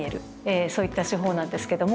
そういった手法なんですけども。